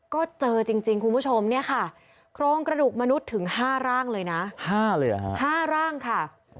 ก็เจอจริงคุณผู้ชมเนี่ยค่ะโครงกระดูกมนุษย์ถึง๕ร่างเลยนะ๕ร่างค่ะ